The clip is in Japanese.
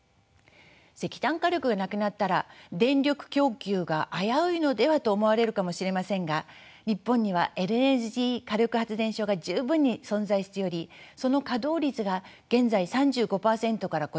石炭火力がなくなったら電力供給が危ういのではと思われるかもしれませんが日本にはＬＮＧ火力発電所が十分に存在しておりその稼働率が現在３５％から５０％程度にとどまっています。